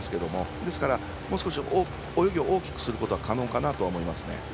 ですから、もう少し泳ぎを大きくすることは可能かなとは思いますね。